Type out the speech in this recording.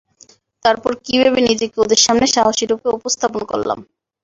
তারপর কী ভেবে নিজেকে ওদের সামনে সাহসীরুপে উপস্থাপন করলাম।